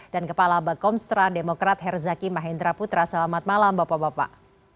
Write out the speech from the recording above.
dan kepala bakomstra demokrat herzaki mahendra putra selamat malam bapak bapak